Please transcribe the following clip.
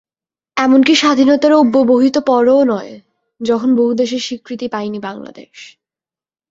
এমনকি স্বাধীনতার অব্যবহিত পরেও নয়, যখন বহু দেশের স্বীকৃতি পায়নি বাংলাদেশ।